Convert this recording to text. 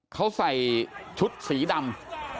เขาใส่ชุดสีดำ